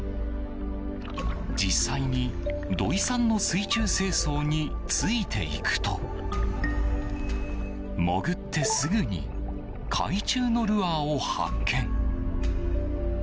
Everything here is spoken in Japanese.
実際に、土井さんの水中清掃についていくと潜ってすぐに海中のルアーを発見。